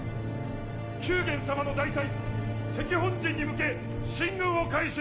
宮元様の大隊敵本陣に向け進軍を開始！